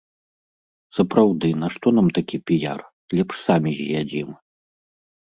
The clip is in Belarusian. Сапраўды, нашто нам такі піяр, лепш самі з'ядзім.